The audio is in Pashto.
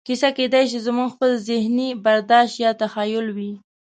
کیسه کېدای شي زموږ خپل ذهني برداشت یا تخیل وي.